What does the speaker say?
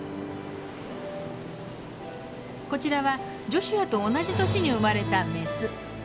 こちらはジョシュアと同じ年に生まれたメス。